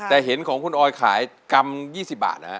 แต่เห็นของคุณออยห์ขายกำ๒๐บาทอ่ะ